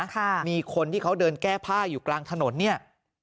ค่ะมีคนที่เขาเดินแก้ผ้าอยู่กลางถนนเนี่ย